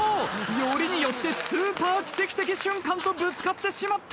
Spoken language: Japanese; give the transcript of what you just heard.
よりによってスーパー奇跡的瞬間とぶつかってしまった。